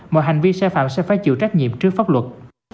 mọi hành vi sai phạm sẽ phải chịu trách nhiệm trước pháp luật